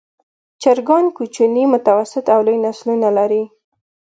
چرګان کوچني، متوسط او لوی نسلونه لري.